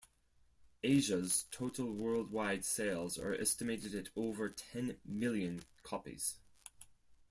"Asia"'s total worldwide sales are estimated at over ten million copies.